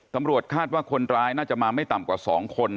ตำรวจคาดว่าคนร้ายน่าจะมาไม่ต่ำกว่า๒คน